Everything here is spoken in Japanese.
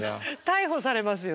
逮捕されますよ